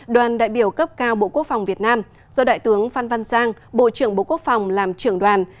đoàn đại biểu cấp cao bộ quốc phòng việt nam do đại tướng phan văn giang bộ trưởng bộ quốc phòng làm trưởng đoàn